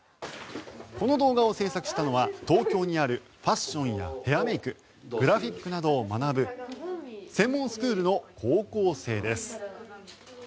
この動画を制作したのは東京にあるファッションやヘアメイクグラフィックなどを学ぶ専門スクールの高校生です。